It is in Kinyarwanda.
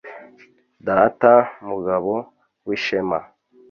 Data Mugabo w’ishema